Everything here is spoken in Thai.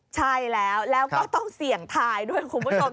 ใช่แล้วแล้วก็ต้องเสี่ยงทายด้วยคุณผู้ชม